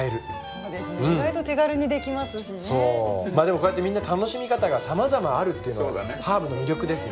こうやってみんな楽しみ方がさまざまあるっていうのがハーブの魅力ですね。